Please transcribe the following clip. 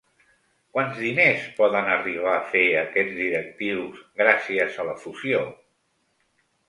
Quants diners poden arribar a fer aquests directius gràcies a la fusió?